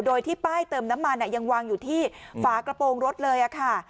โดยที่ป้ายเติมน้ำมันยังวางอยู่ที่ฝากระโปรงรถเลยค่ะ